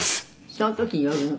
「その時によるの？」